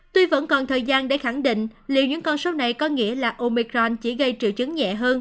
tuy vẫn còn thời gian để khẳng định liệu những con số này có nghĩa là omicron chỉ gây triệu chứng nhẹ hơn